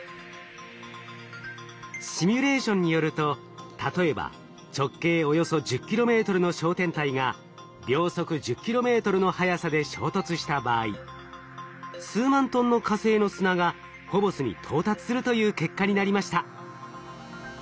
シミュレーションによると例えば直径およそ１０ｋｍの小天体が秒速１０ｋｍの速さで衝突した場合数万トンの火星の砂がフォボスに到達するという結果になりました。